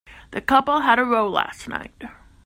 The couple had a row last night.